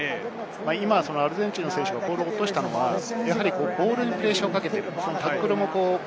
今、アルゼンチンの選手がボールを落としたのもプレッシャーをかけている。